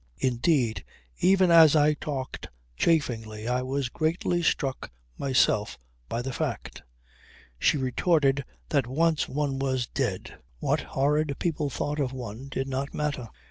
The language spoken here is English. Indeed even as I talked chaffingly I was greatly struck myself by the fact. She retorted that once one was dead what horrid people thought of one did not matter.